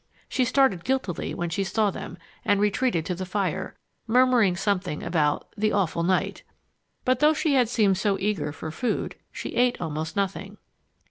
She started guiltily when she saw them and retreated to the fire, murmuring something about "the awful night." But though she had seemed so eager for food, she ate almost nothing.